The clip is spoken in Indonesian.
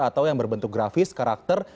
atau yang berbentuk grafis karakter